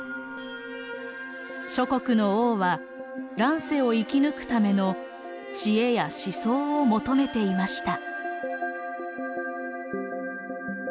諸国の王は乱世を生き抜くための智慧や思想を求めていました。